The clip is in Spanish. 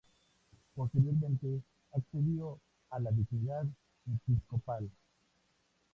Posteriormente accedió a la dignidad episcopal.